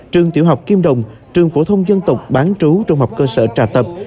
trường tiểu học kim đồng trường phổ thông dân tộc bán trú trung học cơ sở trà tập